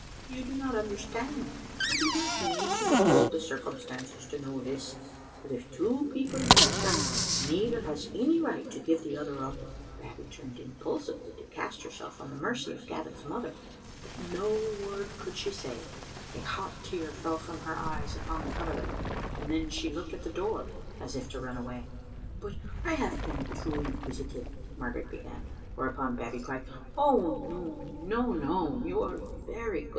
" You do not understand. "" I do not need to be told the circumstances to know this — that if two people love each other, neither has any right to give the other up." Babbie turned impulsively to cast herself on the mercy of Gavin's mother, but no word could she say; a Digitized by VjOOQ IC Hintottt and iSabbfe* d4S hot tear fell from her eyes upon the coverlet, and then she looked at the door, as if to run away. "But I have been too inquisitive," Margaret began; whereupon Babbie cried, "Oh no, no, no: you are very good.